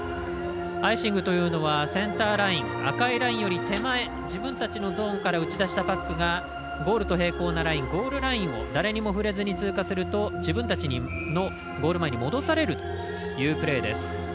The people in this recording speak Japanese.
アイシングというのはセンターライン赤いラインより手前自分たちのゾーンから打ち出したパックがゴールと平行なラインゴールラインを誰にも触れずに通過すると自分たちのゴール前に戻されるというプレーです。